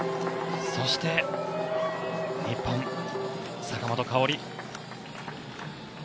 そして、日本の坂本花織。